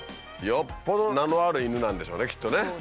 よっぽど名のある犬なんでしょうねきっとね。